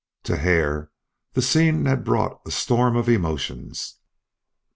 To Hare the scene had brought a storm of emotions.